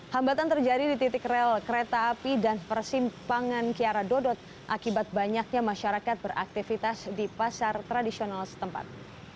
hambatan terjadi di titik rel kereta api dan persimpangan kiara dodot akibat banyaknya masyarakat beraktivitas di pasar tradisional setempat